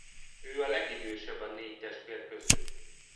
Ő a legidősebb a négy testvér közül.